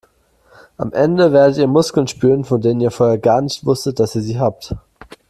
Am Ende werdet ihr Muskeln spüren, von denen ihr vorher gar nicht wusstet, dass ihr sie habt.